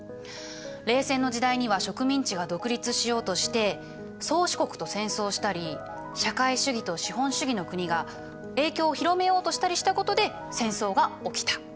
冷戦の時代には植民地が独立しようとして宗主国と戦争したり社会主義と資本主義の国が影響を広めようとしたりしたことで戦争が起きた。